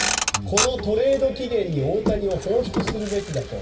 このトレード期限に大谷を放出するべきだと。